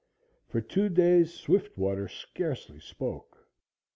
For two days Swiftwater scarcely spoke.